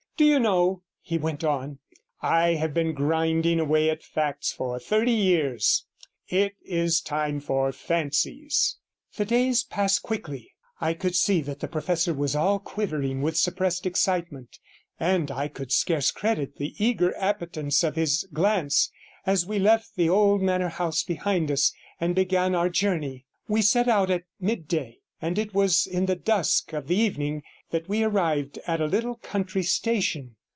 Do you know,' he went on, 'I have been grinding away at facts for thirty years; it is time for fancies.' The days passed quickly; I could see that the professor was all quivering with suppressed excitement, and I could scarce credit the eager appetence of his glance as we left the old manor house behind us and began our journey. We set out at midday, and it was in the dusk of the evening that we arrived at a little country station.